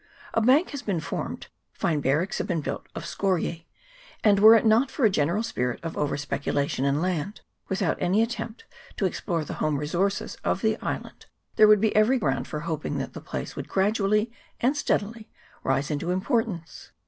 A bank has been formed, fine bar racks have been built of scoriae ; and were it not for a general spirit of over speculation in land, without any attempt to explore the home resources of the island, there would be every ground for hoping that the place would gradually and steadily rise into im portance.